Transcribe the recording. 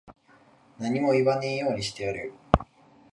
何も言えねぇようにしてやる。